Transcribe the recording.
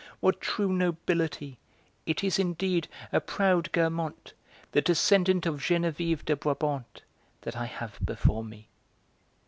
What true nobility! it is indeed a proud Guermantes, the descendant of Geneviève de Brabant, that I have before me!"